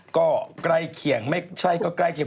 ก็ใกล้เคียงไม่ใช่ก็ใกล้เคียง